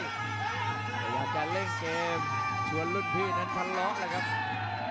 อยากจะเล่นเกมชวนรุ่นพี่นั้นพันล้อมเลยครับ